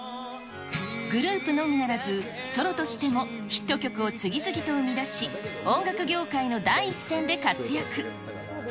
グループのみならず、ソロとしてもヒット曲を次々と生み出し、音楽業界の第一線で活躍。